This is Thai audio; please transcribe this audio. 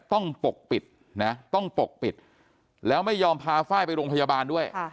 ปกปิดนะต้องปกปิดแล้วไม่ยอมพาไฟล์ไปโรงพยาบาลด้วย